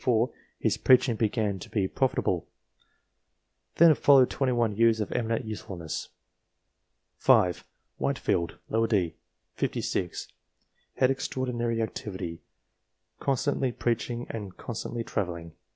34 his " preaching began to be profitable ;" then followed twenty one years of eminent usefulness. 5. Whitefield, d. set. 56 ; had extraordinary activity, constantly preaching and con stantly travelling.